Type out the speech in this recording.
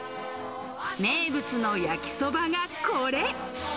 名物の焼きそばがこれ。